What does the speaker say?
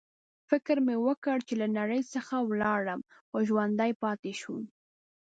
فکر مې وکړ چې له نړۍ څخه ولاړم، خو ژوندی پاتې شوم.